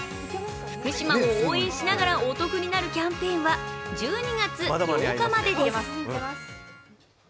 福島を応援しながらお得になるキャンペーンは１２月８日までです。